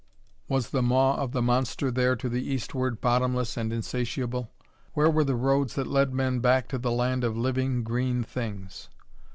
Was the maw of the monster there to the eastward bottomless and insatiable? Where were the roads that led men back to the land of living, green things?